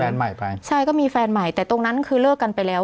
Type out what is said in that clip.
แฟนใหม่ไปใช่ก็มีแฟนใหม่แต่ตรงนั้นคือเลิกกันไปแล้ว